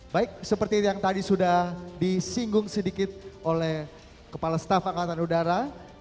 baik seperti yang tadi sudah disinggung sedikit oleh kepala staf angkatan udara